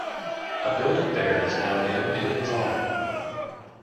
A building there is now named in his honor.